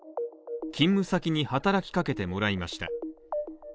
勤務先に働きかけてもらいました。